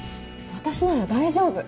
私なら大丈夫！